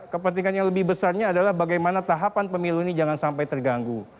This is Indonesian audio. kepentingan yang lebih besarnya adalah bagaimana tahapan pemilu ini jangan sampai terganggu